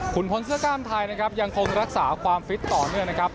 คุณพลเสื้อกล้ามไทยนะครับยังคงรักษาความฟิตต่อเนื่องนะครับ